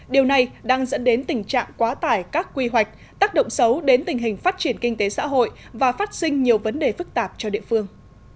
điều này đang dẫn đến tình trạng quá tải các quy hoạch tác động xấu đến tình hình phát triển kinh tế xã hội và phát sinh nhiều vấn đề phức tạp cho địa phương